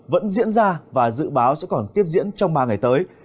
vẫn diễn ra và dự báo sẽ còn tiếp diễn trong ba ngày tới